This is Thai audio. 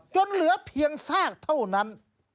เหลือเพียงซากเท่านั้น